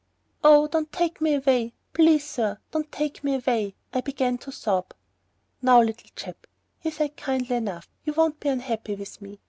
"Oh, don't take me away. Please, sir, don't take me away." I began to sob. "Now, little chap," he said, kindly enough, "you won't be unhappy with me.